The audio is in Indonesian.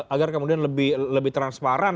agar kemudian lebih transparan